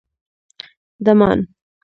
_ډمان